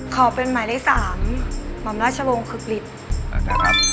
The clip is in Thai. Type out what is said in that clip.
ขอเป็นหมายเลข๓มอมราชวงศ์คึกฤทธิ์